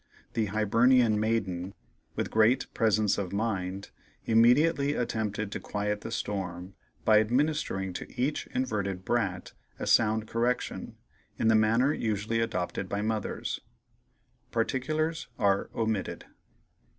The Hibernian maiden, with great presence of mind, immediately attempted to quiet the storm by administering to each inverted brat a sound correction, in the manner usually adopted by mothers. Particulars are omitted.